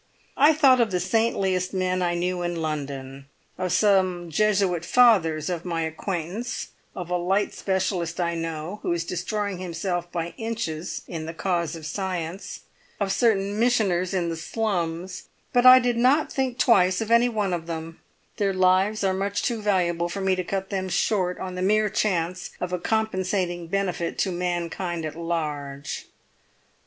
I thought of the saintliest men I knew in London, of some Jesuit Fathers of my acquaintance, of a 'light' specialist I know of who is destroying himself by inches in the cause of science, of certain missioners in the slums; but I did not think twice of any one of them; their lives are much too valuable for me to cut them short on the mere chance of a compensating benefit to mankind at large.